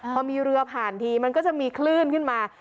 พอมีเรือผ่านทีมันก็จะมีคลื่นขึ้นมา